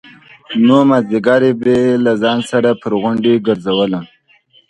نو مازديگر به يې له ځان سره پر غونډيو گرځولم.